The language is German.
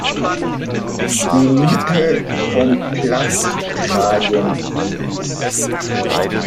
Minute vom Platz tragen ließ.